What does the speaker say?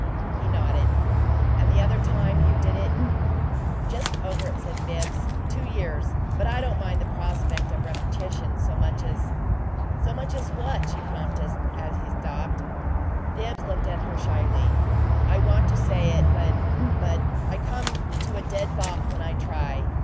He nodded. "And the other time you did it " "Just over it," said Bibbs. "Two years. But I don't mind the prospect of a repetition so much as " "So much as what?" she prompted, as he stopped. Bibbs looked up at her shyly. "I want to say it, but but I come to a dead balk when I try.